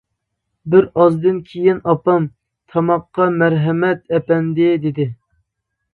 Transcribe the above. بىر ئازدىن كېيىن ئاپام:-تاماققا مەرھەمەت، ئەپەندى، -دېدى.